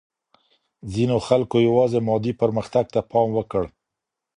ځینو خلګو یوازې مادي پرمختګ ته پام وکړ.